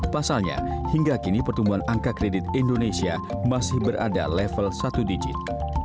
pasalnya hingga kini pertumbuhan angka kredit indonesia masih berada level satu digit